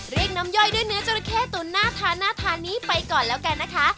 เรียกน้ำย่อยด้วยเนื้อจราเข้ตุ๋นน่าทาน่าทานนี้ไปก่อนแล้วกันนะคะ